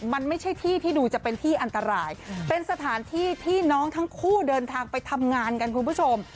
มันไม่ใช่ที่ที่ดูจะเป็นที่อันตรายเป็นสถานที่ที่น้องทั้งคู่เดินทางไปทำงานกันคุณผู้ชม